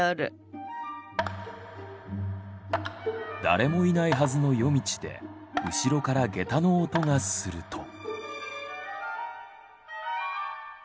誰もいないはずの夜道で後ろから下駄の音がすると。